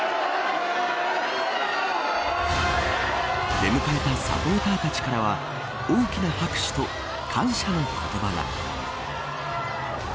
出迎えたサポーターたちからは大きな拍手と感謝の言葉が。